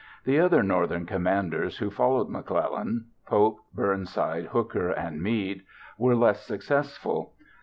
The other Northern commanders who followed McClellan—Pope, Burnside, Hooker, and Meade—were less successful.